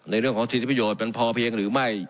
เรื่องของสิทธิประโยชน์มันพอเพียงหรือไม่